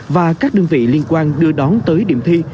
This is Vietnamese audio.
và các đơn vị liên quan đưa đón tới điểm thi